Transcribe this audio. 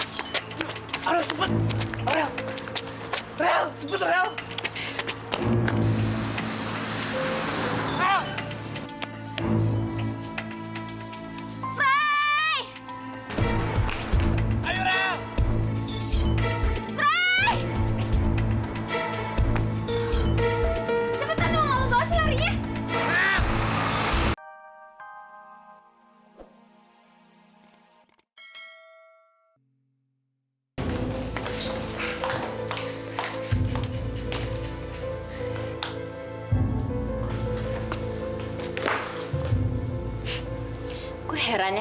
sampai jumpa di video selanjutnya